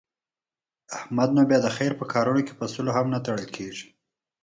احمد نو بیا د خیر په کارونو کې په سلو هم نه تړل کېږي.